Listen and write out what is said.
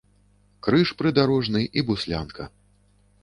Крыж прыдарожны і буслянка.